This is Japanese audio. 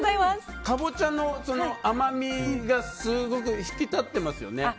カボチャの甘みがすごく引き立っていますよね。